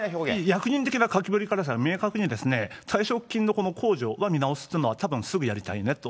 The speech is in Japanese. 役人的な書きぶりからして、明確に退職金の控除は見直すっていうのはたぶんすぐやりたいねと。